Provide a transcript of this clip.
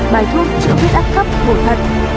bài thuốc chữa khuyết áp khắp bột thật